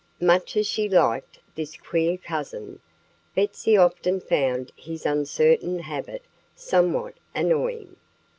Much as she liked this queer cousin, Betsy often found his uncertain habit somewhat annoying.